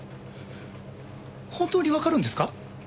本当にわかるんですか？